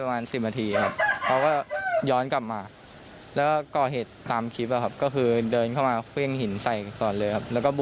ว่าย้อนสอนนะครับพี่อะไรอย่างนี้ครับ